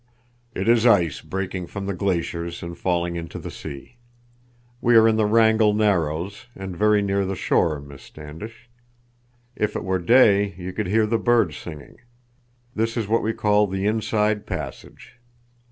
"It is ice breaking from the glaciers and falling into the sea. We are in the Wrangel Narrows, and very near the shore, Miss Standish. If it were day you could hear the birds singing. This is what we call the Inside Passage.